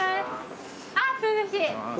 あっ涼しい。